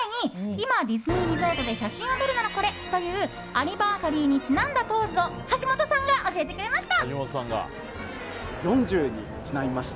今、ディズニーリゾートで写真を撮るならこれというアニバーサリーにちなんだポーズを橋本さんが教えてくれました。